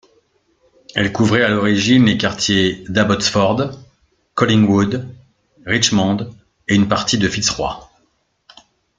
Elle couvrait à l'origine les quartiers d'Abbotsford, Collingwood, Richmond et une partie de Fitzroy.